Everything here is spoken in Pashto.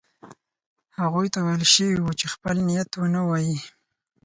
هغوی ته ویل شوي وو چې خپل نیت ونه وايي.